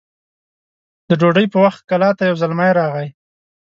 د ډوډۍ په وخت کلا ته يو زلمی راغی